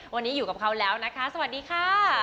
วันนี้อยู่กับเขาแล้วนะคะสวัสดีค่ะ